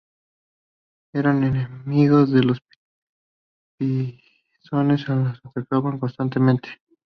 Eran enemigos de los pisones a los que atacaban constantemente.